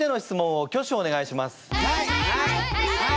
はい。